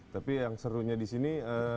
tapi yang serunya di sini